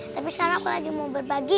tapi sekarang aku lagi mau berbagi